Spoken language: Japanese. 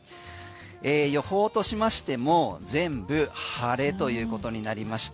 予報としましても全部晴れということになりました。